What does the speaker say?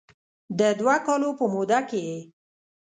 د دوه کالو په موده کې یې